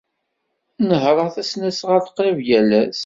Nehhṛeɣ tasnasɣalt qrib yal ass.